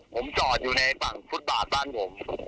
ผมจอดอยู่ในฝุ่นบาดบ้านผม